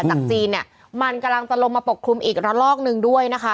จากจีนเนี่ยมันกำลังจะลงมาปกคลุมอีกระลอกหนึ่งด้วยนะคะ